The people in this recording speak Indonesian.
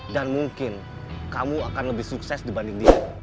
dan mungkin kamu akan lebih sukses dibanding dia